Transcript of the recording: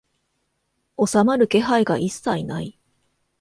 収まる気配が一切ない